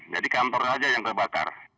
jadi kantor aja yang terbakar